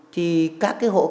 thì các cái hộ khác